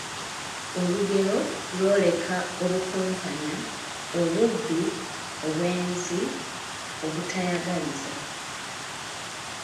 olugero lwoleka obukumpanya, obubbi, obwenzi, obutayagaliza